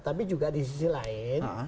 tapi juga di sisi lain